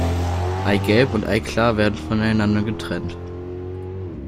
Eigelb und Eiklar werden voneinander getrennt.